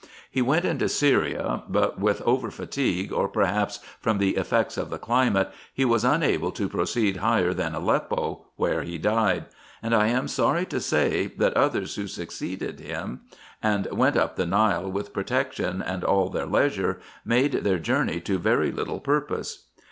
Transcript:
He went into Syria, but with over fatigue, or perhaps from the effects of the climate, he was unable to proceed higher than Aleppo, where he died ; and, I am sorry to say, that others who succeeded him, and went up the Nile with protection and all their leisure, made their journey to very little purpose.